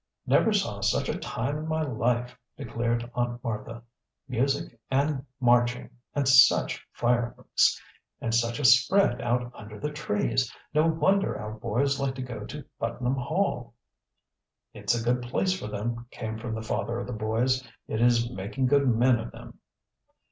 "Never saw such a time in my life!" declared Aunt Martha. "Music and marching, and such fireworks! And such a spread out under the trees! No wonder our boys like to go to Putnam Hall." "It's a good place for them," came from the father of the boys. "It is making good men of them."